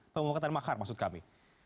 pemohon ketan makhar maksud kami